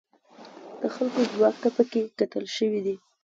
د خلکو ځواک ته پکې کتل شوي دي.